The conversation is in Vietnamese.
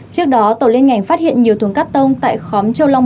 trước đó tổ liên ngành phát hiện nhiều thùng cắt tông tại khóm châu long